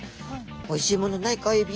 「おいしいものないかエビ？」。